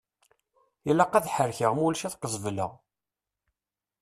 Ilaq ad ḥerrekeɣ mulac ad qezbeleɣ!